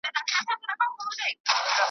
هم په سپیو کي د کلي وو غښتلی .